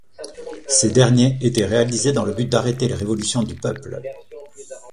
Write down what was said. Ces derniers étaient réalisés dans le but d’arrêter les révolutions du peuple.